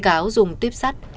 đi cáo dùng tiếp sắt